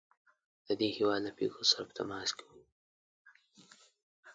د دې هیواد له پیښو سره په تماس کې وو.